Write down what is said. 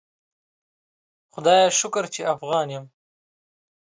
خدایه شکر چی افغان یم